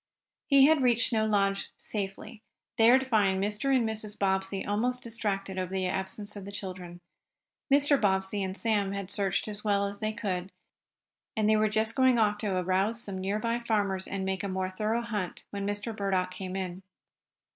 He had reached Snow Lodge safely, there to find Mr. and Mrs. Bobbsey almost distracted over the absence of the children. Mr. Bobbsey and Sam had searched as well as they could, and they were just going off to arouse some nearby farmers and make a more thorough hunt when Mr. Burdock came in.